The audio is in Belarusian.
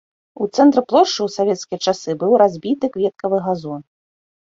У цэнтры плошчы ў савецкія часы быў разбіты кветкавы газон.